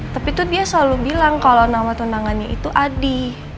tapi itu dia selalu bilang kalau nama tunangannya itu adi